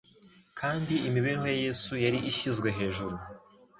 kandi imibereho ya Yesu yari ishyizwe hejuru.